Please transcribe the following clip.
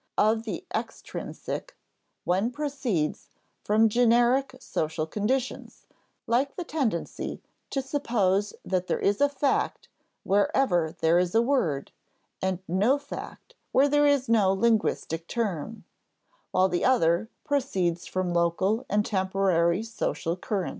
Of the extrinsic, one proceeds from generic social conditions like the tendency to suppose that there is a fact wherever there is a word, and no fact where there is no linguistic term while the other proceeds from local and temporary social currents.